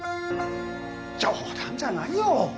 冗談じゃないよ！